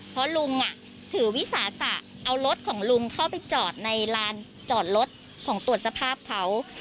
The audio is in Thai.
เพราะลุงถือวิสาสะเอารถของลุงเข้าไปจอดในลานจอดรถของตรวจสภาพเขา